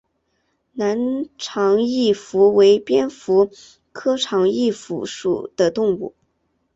南长翼蝠为蝙蝠科长翼蝠属的动物。